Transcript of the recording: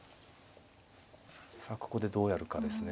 さあここでどうやるかですね。